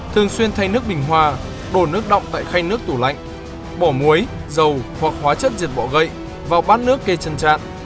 thường xuyên thay nước bình hoa đổ nước đọng tại khay nước tủ lạnh bỏ muối dầu hoặc hóa chất diệt bọ gậy vào bát nước kê chân trạn